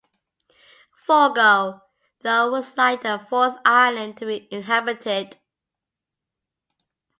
Fogo, though was like the fourth island to be inhabited.